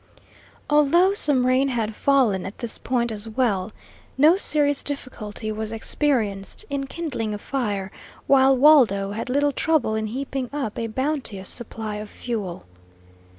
Although some rain had fallen at this point as well, no serious difficulty was experienced in kindling a fire, while Waldo had little trouble in heaping up a bounteous supply of fuel.